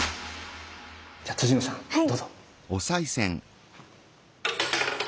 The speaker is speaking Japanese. じゃあ野さんどうぞ。